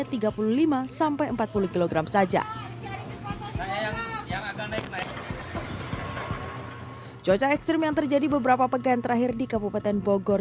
kg saja yang agak naik naik cuaca ekstrim yang terjadi beberapa pegan terakhir di kabupaten bogor